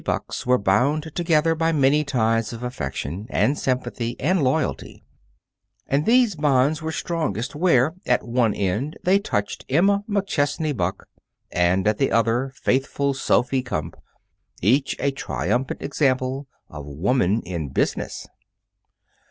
Buck's were bound together by many ties of affection and sympathy and loyalty; and these bonds were strongest where, at one end, they touched Emma McChesney Buck, and, at the other, faithful Sophy Kumpf. Each a triumphant example of Woman in Business.